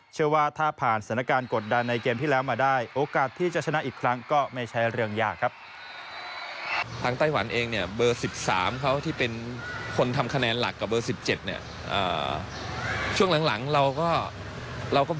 เชื่อว่าถ้าผ่านสถานการณ์กดดันในเกมที่แล้วมาได้โอกาสที่จะชนะอีกครั้งก็ไม่ใช่เรื่องยากครับ